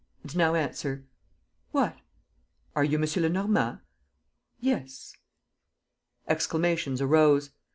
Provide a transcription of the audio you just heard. "And now answer." "What?" "Are you M. Lenormand?" "Yes." Exclamations arose.